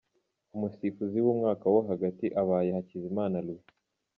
Umusifuzi w’umwaka wo hagati abaye Hakizimana Louis.